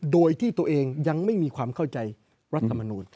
โดยที่ตัวเองยังไม่มีความเข้าใจรัฐมนูล